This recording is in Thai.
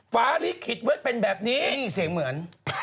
ฟ้าลิขิตไว้เป็นแบบนี้นี่เสียงเหมือน